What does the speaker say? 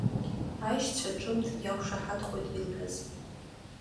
Аишьцәа ҿымҭ иақәшаҳаҭхоит илҳәаз.